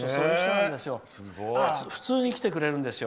本当に来てくれるんですよ。